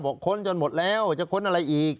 ค้นจนหมดแล้วจะค้นอะไรอีก